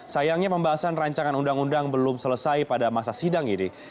sayangnya pembahasan rancangan undang undang belum selesai pada masa sidang ini